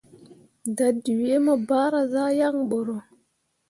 Dadǝwee mu bahra zah faa boro.